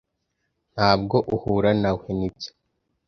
Ntabwo uhura nawe , nibyo?